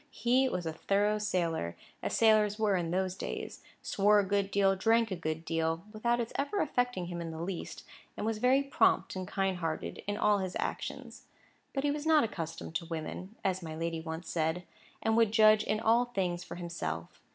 He was a thorough sailor, as sailors were in those days—swore a good deal, drank a good deal (without its ever affecting him in the least), and was very prompt and kind hearted in all his actions; but he was not accustomed to women, as my lady once said, and would judge in all things for himself.